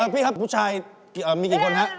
พี่ครับผู้ชายมีกี่คนครับ